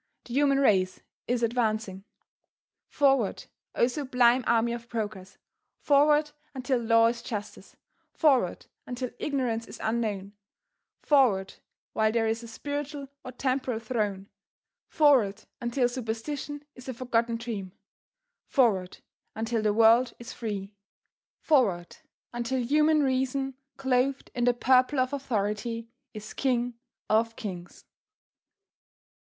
The human race is advancing. Forward, oh sublime army of progress, forward until law is justice, forward until ignorance is unknown, forward while there is a spiritual or temporal throne, forward until superstition is a forgotten dream, forward until the world is free, forward until human reason, clothed in the purple of authority, is king of kings.